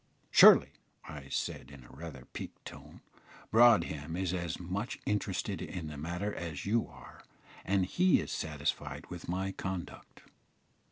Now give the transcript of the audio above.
"Surely," I said, in rather a piqued tone, "Broadhem is as much interested in the matter as you are, and he is satisfied with my conduct."